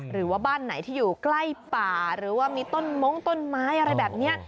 หรือว่าบ้านไหนที่อยู่ใกล้ป่าหรือว่ามีต้นมงต้นไม้อะไรแบบนี้